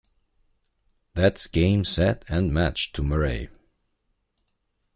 That's Game Set and Match to Murray